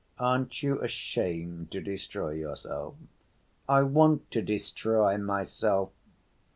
"Aren't you ashamed to destroy yourself?" "I want to destroy myself.